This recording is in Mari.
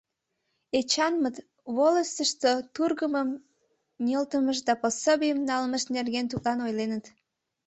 Эчанмыт волостьышто тургымым нӧлтымышт да пособийым налмышт нерген тудлан ойленыт.